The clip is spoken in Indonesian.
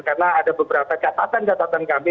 karena ada beberapa catatan catatan kami